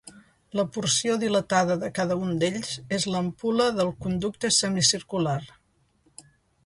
La porció dilatada de cada un d'ells és l'ampul·la del conducte semicircular.